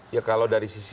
ya kalau dari sisi